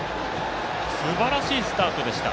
すばらしいスタートでした。